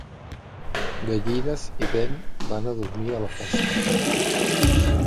Gallines i vent van a dormir a la posta.